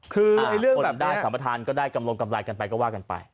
คือเรื่องแบบนี้คนได้สรรพทานก็ได้กำลงกำลายกันไปก็ว่ากันไป